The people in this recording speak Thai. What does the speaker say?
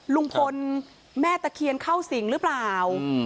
ลุงพลแม่ตะเคียนเข้าสิงหรือเปล่า